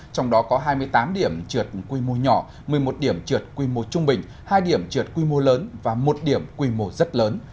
trong đó có hai mươi tám điểm sạt lở nhỏ một mươi một điểm sạt lở trung bình hai điểm sạt lở lớn và một điểm sạt lở rất lớn